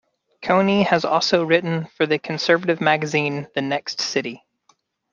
Coyne has also written for the conservative magazine The Next City.